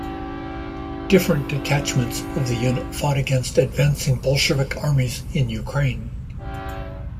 Different detachments of the unit fought against advancing Bolshevik armies in Ukraine.